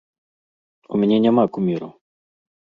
У мяне няма куміраў.